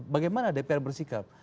bagaimana dpr bersikap